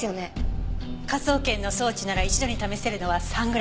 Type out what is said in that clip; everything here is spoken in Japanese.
科捜研の装置なら一度に試せるのは３グラム。